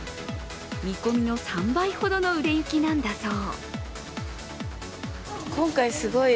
見込みの３倍ほどの売れ行きなんだそう。